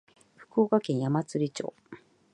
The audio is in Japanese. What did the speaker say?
福島県矢祭町